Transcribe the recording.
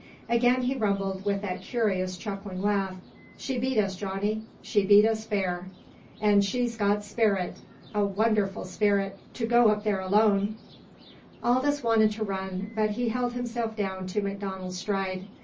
Again he rumbled with that curious chuckling laugh. "She beat us, Johnny, she beat us fair! An' she's got spirrit, a wunnerful spirrit, to go up there alone!" Aldous wanted to run, but he held himself down to MacDonald's stride.